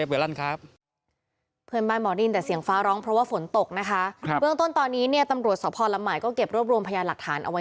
เพื่อนบ้านหมอดีนแต่เสียงฟ้าร้องเพราะว่าฝนตกครับ